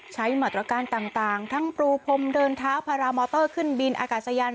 มาตรการต่างทั้งปรูพรมเดินเท้าพารามอเตอร์ขึ้นบินอากาศยาน